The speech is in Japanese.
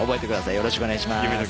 よろしくお願いします。